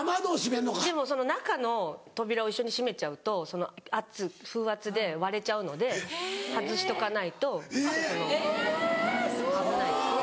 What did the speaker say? でもその中の扉を一緒に閉めちゃうとその圧風圧で割れちゃうので外しとかないと危ないですね。